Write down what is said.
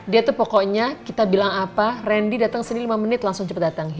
dia tuh pokoknya kita bilang apa randy datang sini lima menit langsung cepat datang